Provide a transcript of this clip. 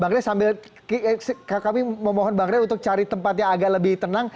bang rey sambil kami memohon bang rey untuk cari tempat yang agak lebih tenang